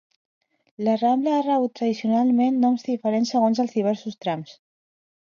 La Rambla ha rebut tradicionalment noms diferents segons els diversos trams.